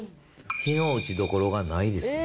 非の打ちどころがないですよ。